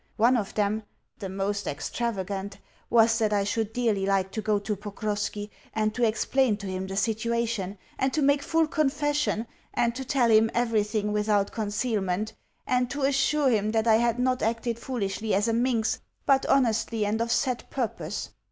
One of them the most extravagant was that I should dearly like to go to Pokrovski, and to explain to him the situation, and to make full confession, and to tell him everything without concealment, and to assure him that I had not acted foolishly as a minx, but honestly and of set purpose.